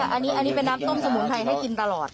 อันนี้เป็นน้ำต้มสมุนไพรให้กินตลอด